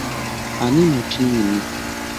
Ani mutiini?